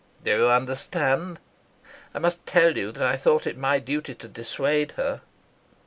"Do you understand? I must tell you that I thought it my duty to dissuade her."